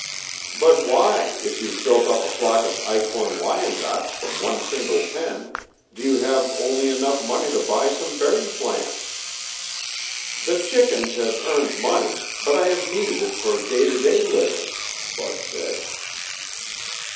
"But why, if you've built up a flock of Eichorn Wyandottes from one single pen, do you have only enough money to buy some berry plants?" "The chickens have earned money, but I have needed it for day to day living," Bud said.